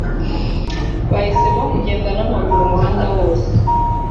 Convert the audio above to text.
Bahisemo kugenda n’amaguru umuhanda wose